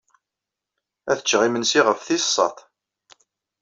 Ad cceɣ imensi ɣef tis sat.